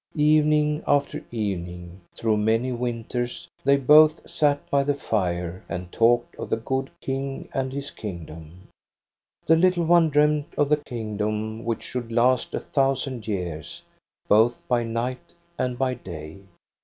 "Evening after evening, through many winters, they both sat by the fire and talked of the good «< u t €< t <(( EBBA DOHNA'S STORY 225 King and his kingdom. The little one dreamed of the kingdom which should last a thousand years, both by night and by day.